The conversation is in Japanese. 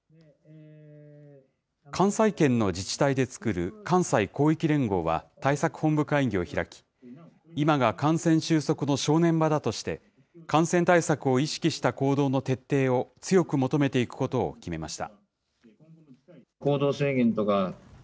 関西圏の自治体で作る関西広域連合は対策本部会議を開き、今が感染収束の正念場だとして、感染対策を意識した行動の徹底を強く求めていくことを決めました。